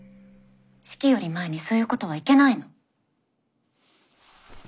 式より前にそういうことはいけないの。